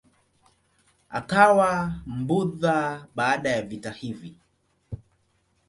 Akawa Mbudha baada ya vita hivi.